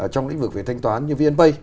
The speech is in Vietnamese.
trong lĩnh vực về thanh toán như vnp